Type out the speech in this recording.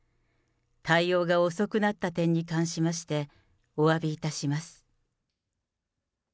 対応が遅くなった点に関しまして、おわびいたします。